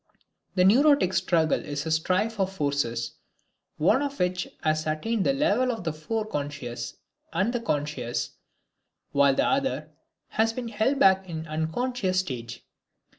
The neurotic struggle is a strife of forces, one of which has attained the level of the fore conscious and the conscious, while the other has been held back in the unconscious stage.